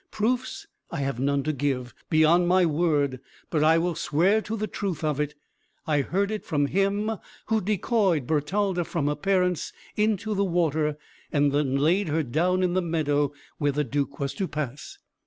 Proofs I have none to give, beyond my word, but I will swear to the truth of it. I heard it from him who decoyed Bertalda from her parents into the water, and then laid her down in the meadow where the Duke was to pass."